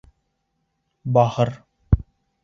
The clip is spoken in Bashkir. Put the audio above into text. Бахыр!..